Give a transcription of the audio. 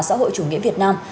xã hội chủ nghĩa việt nam